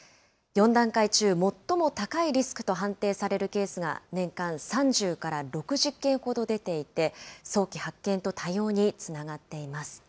４段階中最も高いリスクと判定されるケースが年間３０から６０件ほど出ていて、早期発見と対応につながっています。